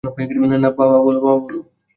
বাবা, বলো।